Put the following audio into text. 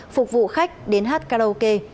phục vụ khách đến hát karaoke